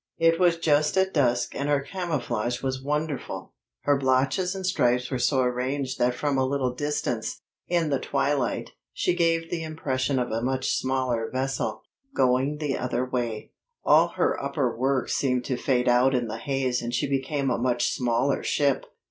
It was just at dusk and her camouflage was wonderful. Her blotches and stripes were so arranged that from a little distance, in the twilight, she gave the impression of a much smaller vessel, going the other way. All her upper works seemed to fade out in the haze and she became a much smaller ship."